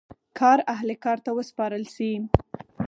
کار اهل کار ته وسپارل شي.